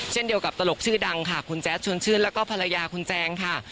เช่นเดียวกับตลกชื่อดังค่ะคุณแจ๊ดชวนชื่นแล้วก็ภรรยาคุณแจงค่ะ